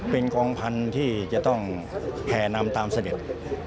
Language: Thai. เป็นกองพันธุ์ที่จะต้องแห่นำตามเสด็จ